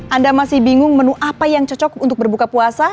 anda masih bingung menu apa yang cocok untuk berbuka puasa